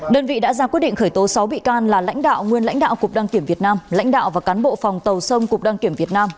đơn vị đã ra quyết định khởi tố sáu bị can là lãnh đạo nguyên lãnh đạo cục đăng kiểm việt nam lãnh đạo và cán bộ phòng tàu sông cục đăng kiểm việt nam